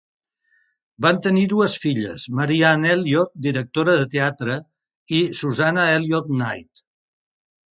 Van tenir dues filles: Marianne Elliott, directora de teatre, i Susannah Elliott-Knight.